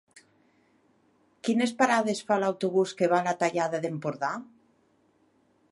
Quines parades fa l'autobús que va a la Tallada d'Empordà?